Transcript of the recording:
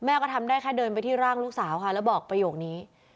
ก็ทำได้แค่เดินไปที่ร่างลูกสาวค่ะแล้วบอกประโยคนี้